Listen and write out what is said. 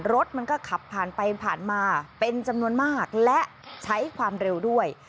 รถมันก็ขับผ่านไปผ่านมาเป็นจำนวนมากและใช้ความเร็วด้วย